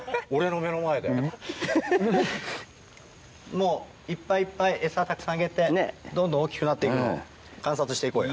もういっぱいいっぱいエサたくさんあげてどんどん大きくなって行くのを観察して行こうよ。